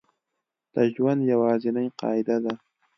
د ژوند یوازینۍ قاعده ده